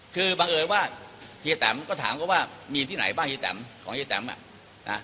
คือบังเอิญว่าเฮียแตมก็ถามเขาว่ามีที่ไหนบ้างเฮียแตมของเฮีแตมอ่ะนะ